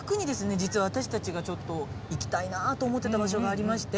実は私たちがちょっと行きたいなと思ってた場所がありまして。